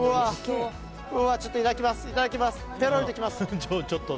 いただきます！